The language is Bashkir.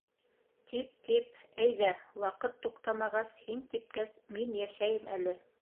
Тип, тип, әйҙә, ваҡыт туҡтамағас, һин типкәс, мин йәшәйем әле.